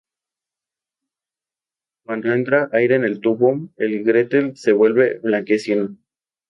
Cuando entra aire en el tubo, el getter se vuelve blanquecino.